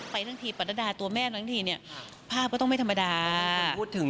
ทั้งทีปรดาตัวแม่ทั้งทีเนี่ยภาพก็ต้องไม่ธรรมดา